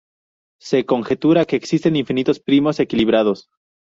Se conjetura que existen infinitos primos equilibrados.